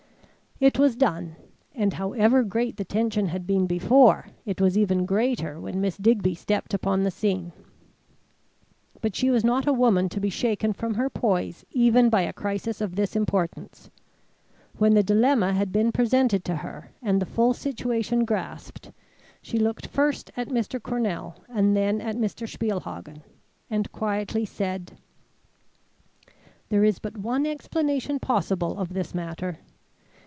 It was done, and however great the tension had been before, it was even greater when Miss Digby stepped upon the scene. But she was not a woman to be shaken from her poise even by a crisis of this importance. When the dilemma had been presented to her and the full situation grasped, she looked first at Mr. Cornell and then at Mr. Spielhagen, and quietly said: "There is but one explanation possible of this matter.